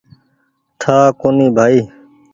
ٺآ ڪونيٚ ڀآئي